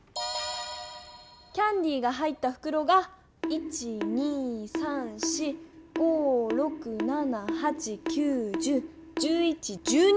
キャンディーが入ったふくろが１２３４５６７８９１０１１１２